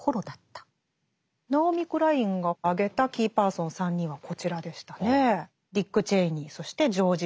ナオミ・クラインが挙げたキーパーソン３人はこちらでしたね。